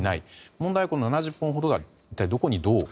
問題は７０本ほどがどこにどう。